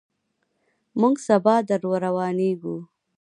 موږ سبا درروانېږو.